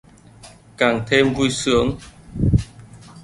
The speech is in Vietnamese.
Càng thêm vui sướng